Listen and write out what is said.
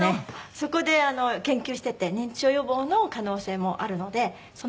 そこで研究してて認知症予防の可能性もあるのでその研究もしてます。